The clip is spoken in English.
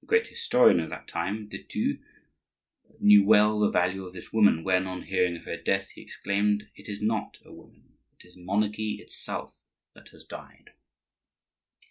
The great historian of that time, de Thou, knew well the value of this woman when, on hearing of her death, he exclaimed: "It is not a woman, it is monarchy itself that has died!"